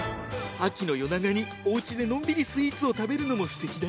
秋の夜長におうちでのんびりスイーツを食べるのも素敵だね！